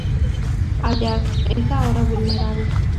Áyax es ahora vulnerable.